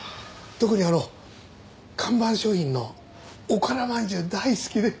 特にあの看板商品のおから饅頭大好きで。